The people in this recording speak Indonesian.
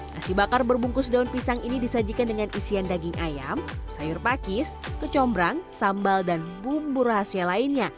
nasi bakar berbungkus daun pisang ini disajikan dengan isian daging ayam sayur pakis kecombrang sambal dan bumbu rahasia lainnya